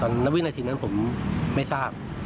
ณวินาทีนั้นผมไม่ทราบ